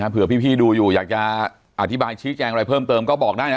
เผื่อพี่ดูอยู่อยากจะอธิบายชี้แจงอะไรเพิ่มเติมก็บอกได้นะ